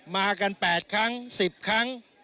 มากันแปดครั้งสิบครั้ง